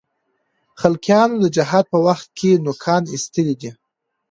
خلقیانو د جهاد په وخت کې نوکان اېستلي دي.